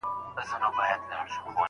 لارښود به د شاګردانو لیکني ګوري.